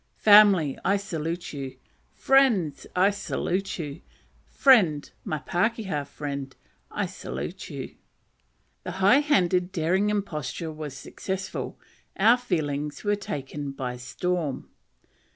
family, I salute you! friends, I salute you! friend, my pakeha friend, I salute you." The high handed daring imposture was successful: our feelings were taken by storm.